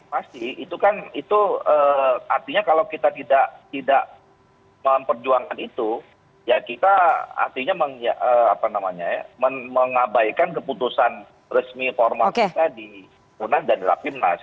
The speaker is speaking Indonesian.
pasti itu kan itu artinya kalau kita tidak memperjuangkan itu ya kita artinya mengabaikan keputusan resmi formal kita di munas dan rapimnas